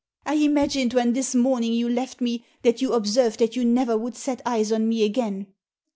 " I imagined when, this morning, you left me, that you observed that you never would set eyes on me again."